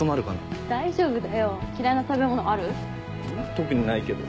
特にないけど。